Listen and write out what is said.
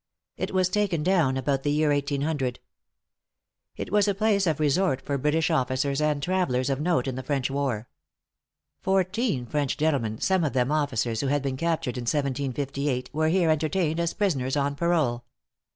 It was taken down about the year 1800. It was a place of resort for British officers and travellers of note in the French war. Fourteen French gentlemen, some of them officers who had been captured in 1758, were here entertained as prisoners on parole.